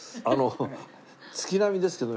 月並みですけど